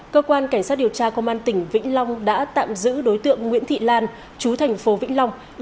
cơ quan cảnh sát điều tra công an tỉnh vĩnh long đã tạm giữ đối tượng nguyễn thị lan chú thành phố vĩnh long